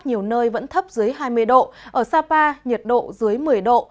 nhiều nơi vẫn thấp dưới hai mươi độ ở sapa nhiệt độ dưới một mươi độ